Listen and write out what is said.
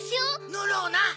乗ろうな！